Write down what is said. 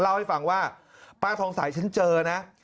เล่าให้ฟังว่าป้าทองสายฉันเจอนะ